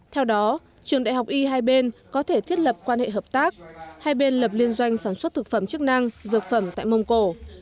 theo đó trường đại học y hai bên có thể thiết lập quan hệ hợp tác hai bên lập liên doanh sản xuất thực phẩm chức năng dược phẩm tại mông cổ